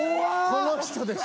この人です。